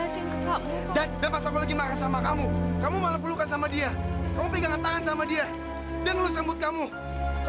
sampai jumpa di video selanjutnya